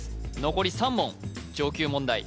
残り３問上級問題